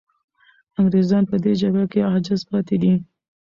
انګریزان په دې جګړه کې عاجز پاتې دي.